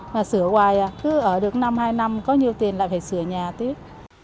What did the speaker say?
mà sửa hoài à cứ ở được năm hai năm có nhiều tiền là phải sửa nhà tiếp